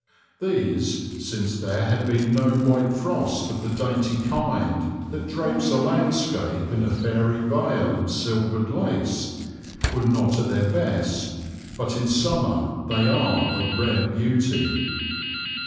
These, since there had been no white frost of the dainty kind that drapes a landscape in a fairy veil of silvered lace, were not at their best, but in summer they are of rare beauty.